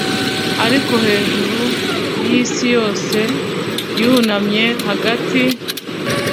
ariko hejuru yisi yose yunamye hagati,